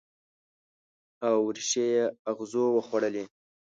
او ریښې یې اغزو وخوړلي